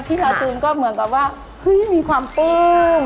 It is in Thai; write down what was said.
พี่ลาจูนก็เหมือนกับว่ามีความปุ้ม